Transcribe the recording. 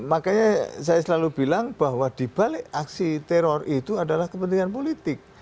makanya saya selalu bilang bahwa dibalik aksi teror itu adalah kepentingan politik